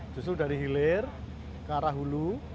justru dari hilir ke arah hulu